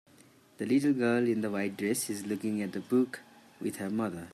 The little girl in the white dress is looking at a book with her mother.